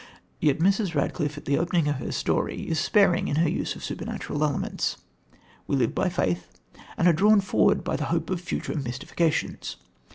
Yet Mrs. Radcliffe, at the opening of her story, is sparing in her use of supernatural elements. We live by faith, and are drawn forward by the hope of future mystifications.